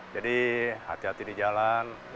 jadi hati hati di jalan